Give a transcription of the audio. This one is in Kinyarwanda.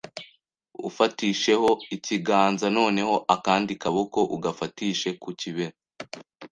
ufatisheho ikiganza noneho akandi kaboko ugafatishe ku kibero